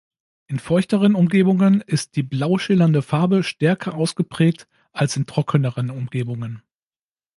In feuchteren Umgebungen ist die blau schillernde Farbe stärker ausgeprägt als in trockeneren Umgebungen.